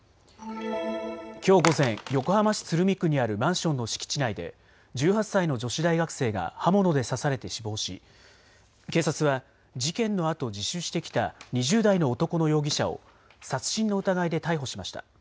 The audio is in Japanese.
きょう午前、横浜市鶴見区にあるマンションの敷地内で１８歳の女子大学生が刃物で刺されて死亡し警察は事件のあと自首してきた２０代の男の容疑者を殺人の疑いで逮捕しました。